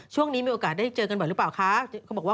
ช่วงนี้มีโอกาสได้เจอกันรึเปล่าคะ